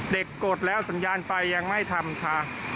กดแล้วสัญญาณไฟยังไม่ทำค่ะ